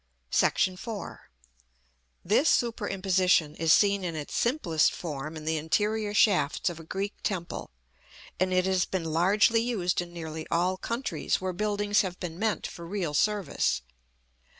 § IV. This superimposition is seen in its simplest form in the interior shafts of a Greek temple; and it has been largely used in nearly all countries where buildings have been meant for real service.